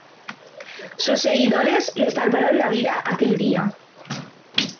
Sus seguidores le salvaron la vida aquel día.